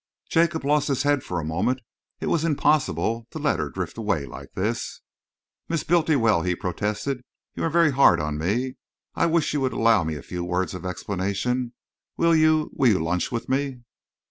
Jacob lost his head for a moment. It was impossible to let her drift away like this. "Miss Bultiwell," he protested, "you are very hard on me. I wish you would allow me a few words of explanation. Will you will you lunch with me?"